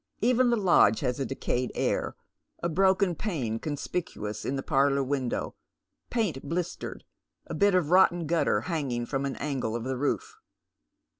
Even the lodge has a decayed air, a broken pane conspicuous in the parlour window, paint blistered, a bit of rotten gutter hanging from an angle of the roof.